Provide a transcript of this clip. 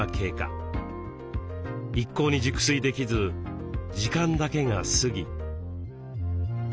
一向に熟睡できず時間だけが過ぎ。